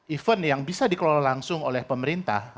event yang bisa dikelola langsung oleh pemerintah